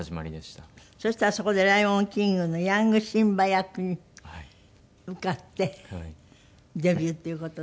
そしたらそこで『ライオンキング』のヤングシンバ役に受かってデビューっていう事で。